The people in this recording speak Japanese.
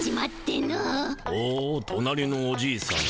ほうとなりのおじいさんに。